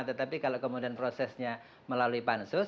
tetapi kalau kemudian prosesnya melalui pansus